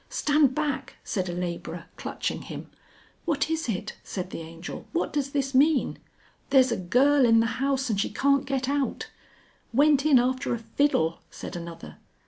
"Stand back!" said a labourer, clutching him. "What is it?" said the Angel. "What does this mean?" "There's a girl in the house, and she can't get out!" "Went in after a fiddle," said another.